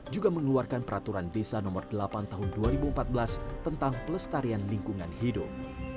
juga mengeluarkan peraturan desa nomor delapan tahun dua ribu empat belas tentang pelestarian lingkungan hidup